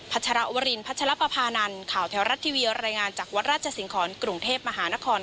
ภัชราวรินพัชรปะพานัลข่าวแถวรัฐที่วีสามารถรายงานจากวัดราชสิงครกรุงเทพส์มหานคร